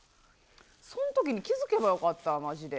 そんときに気付けばよかった、まじで。